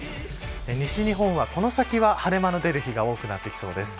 西日本この先は晴れ間の出る日が多くなってきそうです。